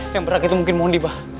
yang berhak itu mungkin mundi mbah